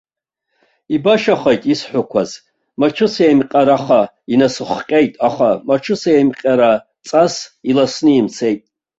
Ибашахеит исҳәақәоз, мацәысеимҟьараха инасыхҟьеит, аха мацәысеимҟьараҵас иласны имцеит.